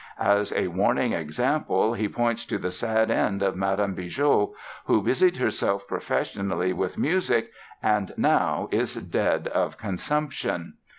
As a warning example he points to the sad end of Madame Bigot, who busied herself professionally with music and now is dead of consumption!